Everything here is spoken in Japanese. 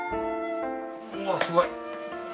うわすごい。